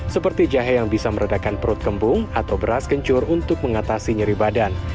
seperti jahe yang bisa meredakan perut kembung atau beras kencur untuk mengatasi nyeri badan